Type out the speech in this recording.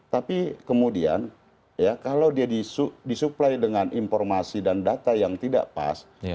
tapi kemudian ya kalau dia disuplai dengan informasi dan data yang tidak pas